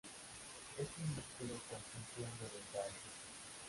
Es un músculo con función voluntaria.